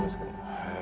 へえ。